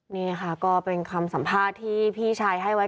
นี่ค่ะก็เป็นคำสัมภาษณ์ที่พี่ชายให้ไว้